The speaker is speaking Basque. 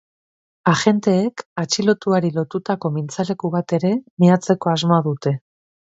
Agenteek atxilotuari lotutako mintzaleku bat ere miatzeko asmoa dute.